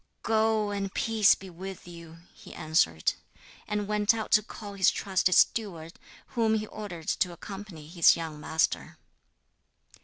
'Go, and peace be with you,' he answered; and went out to call his trusted steward, whom he ordered to accompany his young master.